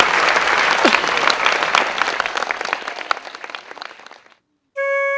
เพลงที่สองเพลง